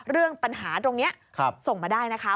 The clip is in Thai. เรื่องปัญหาตรงนี้ส่งมาได้นะคะ